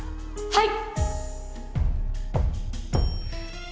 はい？